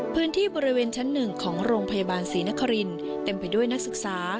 พื้นที่บริเวณชั้น๑ของโรงพยาบาลศรีนครินเต็มไปด้วยนักศึกษา